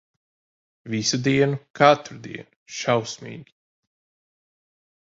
Visu dienu, katru dienu. Šausmīgi.